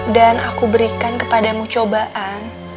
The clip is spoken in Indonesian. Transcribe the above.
dan aku berikan kepada mu cobaan